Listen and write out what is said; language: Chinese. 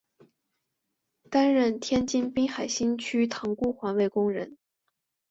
担任天津滨海新区塘沽环卫工人。